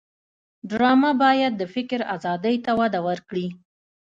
ډرامه باید د فکر آزادۍ ته وده ورکړي